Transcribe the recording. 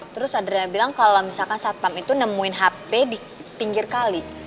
terus adria bilang kalau misalkan satpam itu nemuin hp di pinggir kali